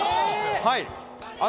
はい。